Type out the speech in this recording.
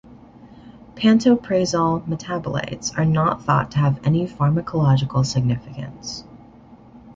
Pantoprazole metabolites are not thought to have any pharmacological significance.